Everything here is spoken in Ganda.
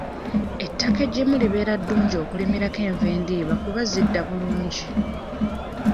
Ettaka eggimu libeera ddungi okulimirako enva endiirwa kuba zidda bulungi.